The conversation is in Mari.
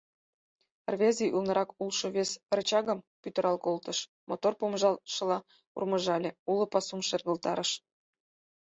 Рвезе ӱлнырак улшо вес рычагым пӱтырал колтыш, мотор помыжалтшыла урмыжале, уло пасум шергылтарыш.